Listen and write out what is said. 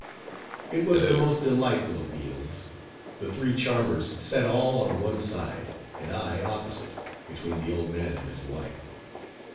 It was the most delightful of meals; the three charmers sat all on one side, and I opposite, between the old man and his wife.